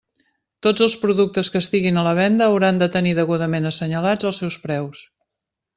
Tots els productes que estiguin a la venda hauran de tenir degudament assenyalats els seus preus.